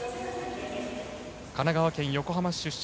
神奈川県横浜市出身。